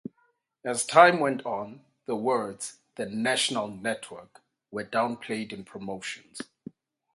As time went on, the words "The National Network" were downplayed in promotions.